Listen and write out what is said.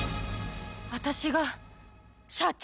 私が社長⁉